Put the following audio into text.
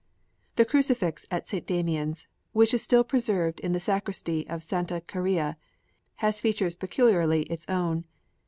The crucifix at St. Damian's which is still preserved in the sacristy of Santa Chiara has features peculiarly its own.